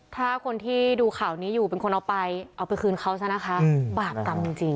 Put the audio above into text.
ถ้าคนที่ดูข่าวนี้อยู่เป็นคนเอาไปเอาไปคืนเขาซะนะคะบาปกรรมจริง